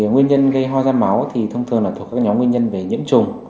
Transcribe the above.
nguyên nhân gây ho ra máu thông thường là các nhóm nguyên nhân về nhiễm trùng